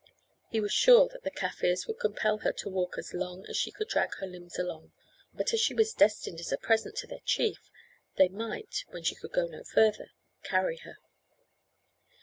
He was sure that the Kaffirs would compel her to walk as long as she could drag her limbs along, but as she was destined as a present to their chief, they might, when she could go no further, carry her.